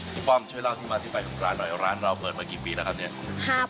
นี่ป้อมเป็นอยู่ที่ไปที่ร้านร้านเราเปิดแล้วกี่ปีแล้วครับ